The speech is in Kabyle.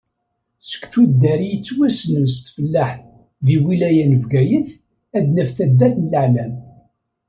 Seg tuddar i yettwassnen s tfellaḥt, di lwilaya n Bgayet, ad naf taddart n Laεlam.